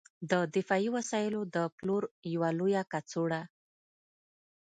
د دفاعي وسایلو د پلور یوه لویه کڅوړه